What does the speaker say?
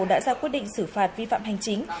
đã ra quyết định xử phạt vi phạm hành chính